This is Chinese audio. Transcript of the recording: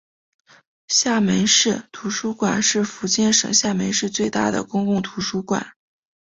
厦门市图书馆是福建省厦门市最大的公共图书馆。